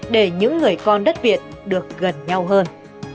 để những người con đất việt được gần nhau hơn